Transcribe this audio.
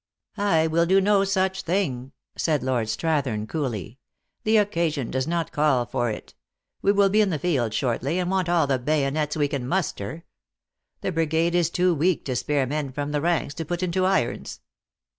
"I will do no such thing," said Lord Strathern, coolly. The occasion does not call for it. We will be in the field shortly, and want all the bayonets we can muster. The brigade is too weak to spare men from the ranks to put into irons."